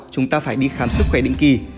chúng ta phải đi khám sức khỏe định kỳ